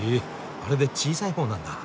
あれで小さい方なんだ。